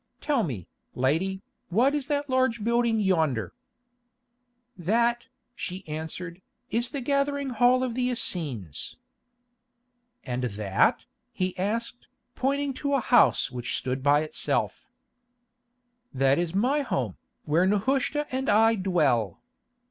Tell me, lady, what is that large building yonder?" "That," she answered, "is the gathering hall of the Essenes." "And that?" he asked, pointing to a house which stood by itself. "That is my home, where Nehushta and I dwell."